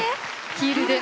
ヒールで？